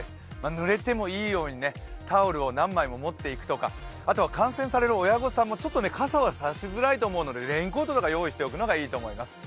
ぬれてもいいようにタオルを何枚も持っていくとか観戦される親御さんも傘は差しづらいと思いますのでレインコートとか用意しておくのがいいと思います。